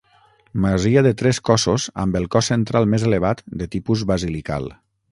Masia de tres cossos, amb el cos central més elevat, de tipus basilical.